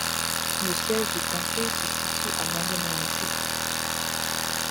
Le siège du comté se situe à Montgomery City.